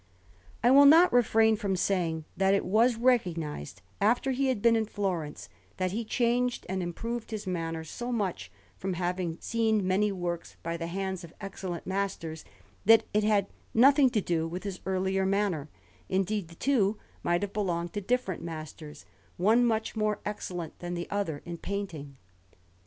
I will not refrain from saying that it was recognized, after he had been in Florence, that he changed and improved his manner so much, from having seen many works by the hands of excellent masters, that it had nothing to do with his earlier manner; indeed, the two might have belonged to different masters, one much more excellent than the other in painting.